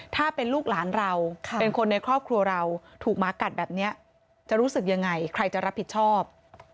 ถ้าเป็นลูกหลานเราเป็นคนในครอบครัวเราถูกหมากัดแบบนี้จะรู้สึกยังไงใครจะรับผิดชอบ